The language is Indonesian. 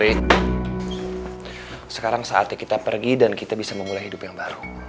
sekarang saatnya kita pergi dan kita bisa memulai hidup yang baru